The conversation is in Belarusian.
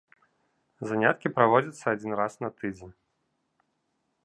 Заняткі праводзяцца адзін раз на тыдзень.